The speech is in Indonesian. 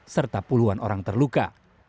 serta puluhan orang terluka